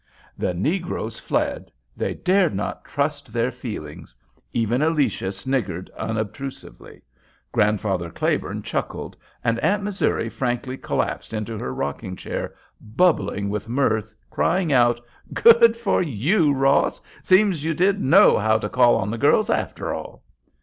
The negroes fled—they dared not trust their feelings; even Alicia sniggered unobtrusively; Grandfather Claiborne chuckled, and Aunt Missouri frankly collapsed into her rocking chair, bubbling with mirth, crying out: "Good for you, Ross! Seems you did know how to call on the girls, after all."